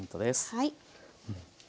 はい。